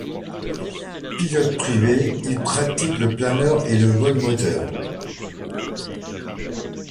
Pilote privé il pratique le planeur et le vol moteur.